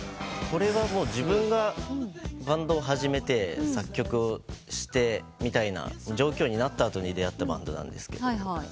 これは自分がバンドを始めて作曲してみたいな状況になった後に出会ったバンドなんですけど。